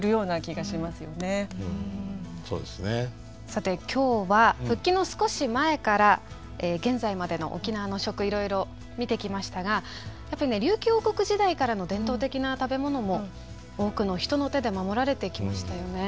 さて今日は復帰の少し前から現在までの沖縄の食いろいろ見てきましたがやっぱり琉球王国時代からの伝統的な食べ物も多くの人の手で守られてきましたよね。